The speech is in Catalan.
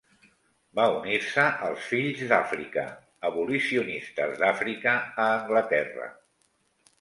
Va unir-se als Fills d'Àfrica, abolicionistes d'Àfrica a Anglaterra.